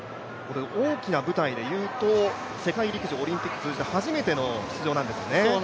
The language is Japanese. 大きな舞台でいうと、世界陸上、オリンピック初めての出場なんですよね。